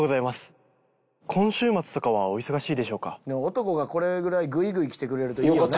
男がこれぐらいグイグイ来てくれるといいよね。